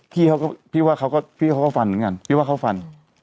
ก็คิดพี่ว่าเขาก็ฟัน